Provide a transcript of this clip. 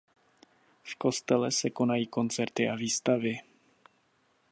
V kostele se konají koncerty a výstavy.